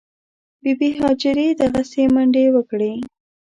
بي بي هاجرې دغسې منډې وکړې.